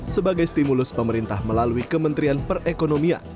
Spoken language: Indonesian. sebagai stimulus pemerintah melalui kementerian perekonomian